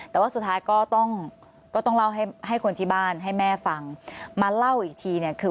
แต่ว่าสุดท้ายก็ต้องก็ต้องเล่าให้ให้คนที่บ้านให้แม่ฟังมาเล่าอีกทีเนี่ยคือ